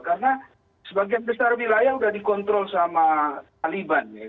karena sebagian besar wilayah sudah dikontrol oleh taliban